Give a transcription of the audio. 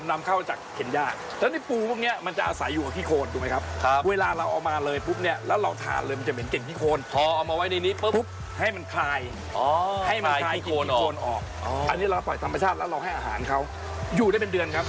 แล้วเราให้อาหารเขาอยู่ได้เป็นเดือนครับ